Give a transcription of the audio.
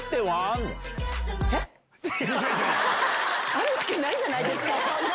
あるわけないじゃないですか。